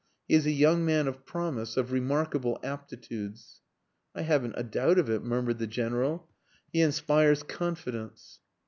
He is a young man of promise of remarkable aptitudes." "I haven't a doubt of it," murmured the General. "He inspires confidence."